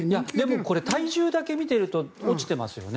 これ体重だけ見てると落ちていますよね。